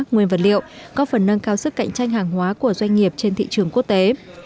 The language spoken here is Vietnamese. nguyên vật liệu có phần nâng cao sức cạnh tranh hàng hóa của doanh nghiệp trên thị trường quốc tế